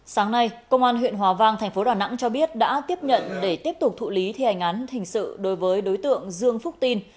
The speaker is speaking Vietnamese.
sáng nay công an huyện hòa vang thành phố đà nẵng cho biết đã tiếp nhận để tiếp tục thụ lý thi hành án hình sự đối với đối tượng dương phúc tin